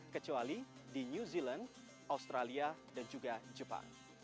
kecuali di new zealand australia dan juga jepang